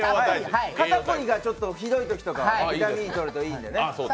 肩凝りがひどいときとかは痛みがとれるといいんでね。